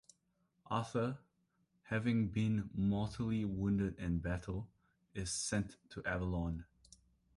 Arthur, having been mortally wounded in battle, is sent to Avalon.